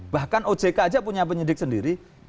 bahkan ojk aja punya penyidik sendiri